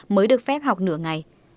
mới được phép học nửa ngày